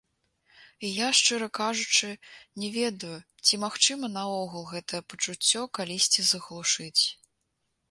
І я, шчыра кажучы, не ведаю, ці магчыма наогул гэтае пачуццё калісьці заглушыць.